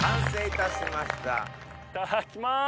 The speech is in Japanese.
いただきます。